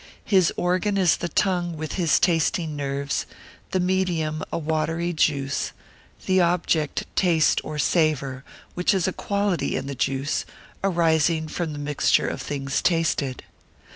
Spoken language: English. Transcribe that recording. His organ is the tongue with his tasting nerves; the medium, a watery juice; the object, taste, or savour, which is a quality in the juice, arising from the mixture of things tasted.